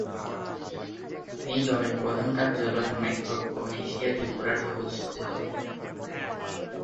এই দলের প্রধান কার্যালয় মাইক্রোনেশিয়া যুক্তরাজ্যে অবস্থিত।